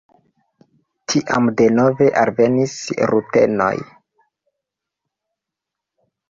Tiam denove alvenis rutenoj.